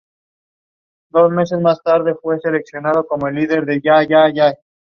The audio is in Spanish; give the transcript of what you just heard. Vive en charcas y nunca cambia de habitat.